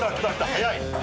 早い。